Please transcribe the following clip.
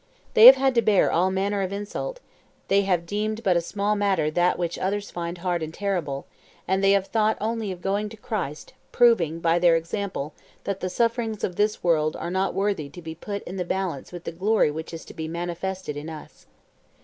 They have had to bear all manner of insult; they have deemed but a small matter that which others find hard and terrible; and they have thought only of going to Christ, proving by their example that the sufferings of this world are not worthy to be put in the balance with the glory which is to be manifested in us.